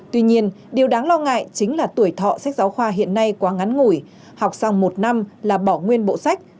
tuy nhiên điều đáng lo ngại chính là tuổi thọ sách giáo khoa hiện nay quá ngắn ngủi học xong một năm là bỏ nguyên bộ sách